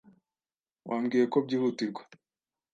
Wambwiye ko byihutirwa.